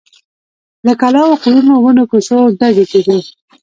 له کلاوو، کورونو، ونو، کوڅو… ډزې کېدې.